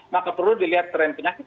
maka perlu dilihat tren penyakit